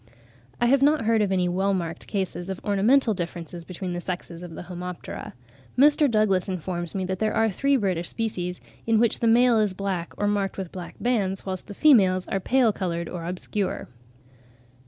I have not heard of any well marked cases of ornamental differences between the sexes of the Homoptera. Mr. Douglas informs me that there are three British species, in which the male is black or marked with black bands, whilst the females are pale coloured or obscure.